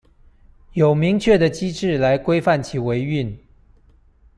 有明確的機制來規範其維運